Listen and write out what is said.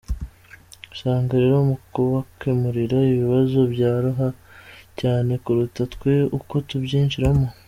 Usanga rero mu kabakemurira ibibazo, byoroha cyane kuruta twe uko tubyinjiramo.